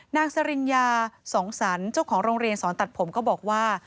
สริญญาสองสรรเจ้าของโรงเรียนสอนตัดผมก็บอกว่า